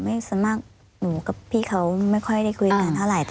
ส่วนมากหนูกับพี่เขาไม่ค่อยได้คุยกันเท่าไหร่